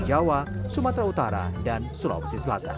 jawa sumatera utara dan sulawesi selatan